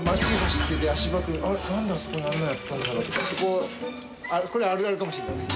ってこれあるあるかもしれないです